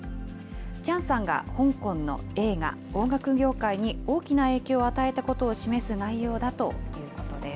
チャンさんが香港の映画、音楽業界に大きな影響を与えたことを示す内容だということです。